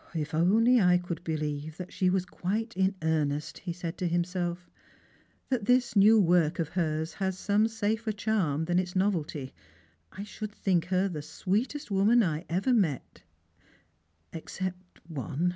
" If I could only believe that she was quite in earnest," he said to himself, "that this new work of hers has some safer charm than its novelty, I should think her the sweetest woman I ever met— except one."